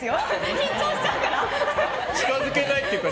緊張しちゃうから。